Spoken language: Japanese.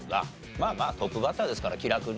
まあまあトップバッターですから気楽にね。